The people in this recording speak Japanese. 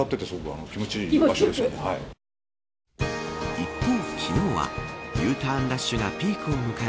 一方、昨日はＵターンラッシュがピークを迎え